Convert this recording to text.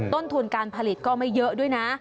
ต้นทุนการผลิตก็ไม่เยอะด้วยนะ